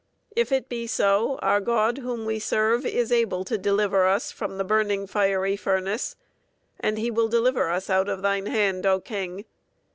If it be so, our God whom we serve is able to deliver us from the burning fiery furnace, and he will deliver us out of thine hand, O king.